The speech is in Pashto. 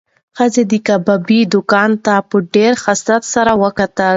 ښځې د کبابي دوکان ته په ډېر حسرت سره وکتل.